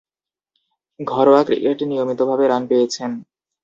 ঘরোয়া ক্রিকেটে নিয়মিতভাবে রান পেয়েছেন।